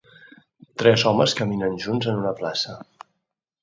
Tres homes caminen junts en una plaça.